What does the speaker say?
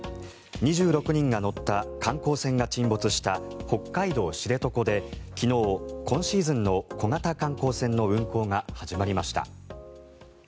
２６人が乗った観光船が沈没した北海道・知床で昨日今シーズンの小型観光船の運航が始まりました。